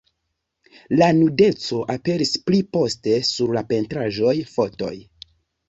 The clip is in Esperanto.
La nudeco aperis pli poste sur pentraĵoj, fotoj.